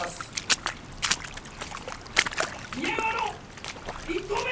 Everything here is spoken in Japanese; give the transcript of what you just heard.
宮川の１投目！